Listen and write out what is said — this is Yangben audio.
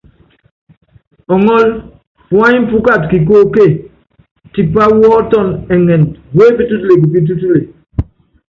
Ɔŋɔ́l, puany pu katɛ kikóókó, tipa wɔɔ́tɔn ɛŋɛnd wepítútule kupítútule.